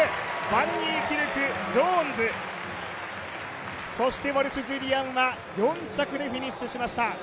バンニーキルク、ジョーンズ、そしてウォルシュ・ジュリアンは４着でフィニッシュしました。